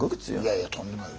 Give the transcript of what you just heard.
いやいやとんでもない。